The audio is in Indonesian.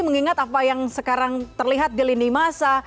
mengingat apa yang sekarang terlihat di lini masa